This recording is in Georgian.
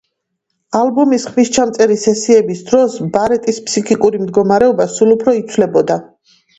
ალბომის ხმისჩამწერი სესიების დროს ბარეტის ფსიქიკური მდგომარეობა სულ უფრო იცვლებოდა.